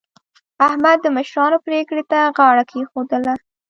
احمد د مشرانو پرېکړې ته غاړه کېښودله.